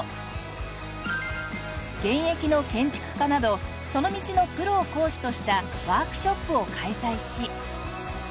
現役の建築家などその道のプロを講師としたワークショップを開催し。